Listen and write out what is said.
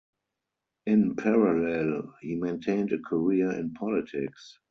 In parallel, he maintained a career in politics.